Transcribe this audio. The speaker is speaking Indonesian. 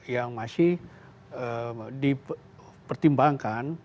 yang masih dipertimbangkan